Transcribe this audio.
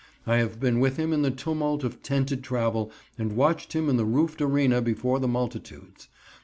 I have been with him in the tumult of tented travel and watched him in the roofed arena before the multitudes.